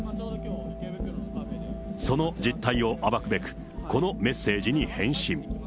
その実態を暴くべく、このメッセージに返信。